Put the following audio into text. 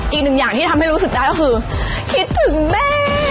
อีกหนึ่งอย่างที่ทำให้รู้สึกได้ก็คือคิดถึงแม่